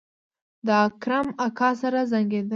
د اکرم اکا سر زانګېده.